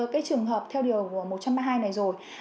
cái trường hợp theo điều một trăm ba mươi hai này rồi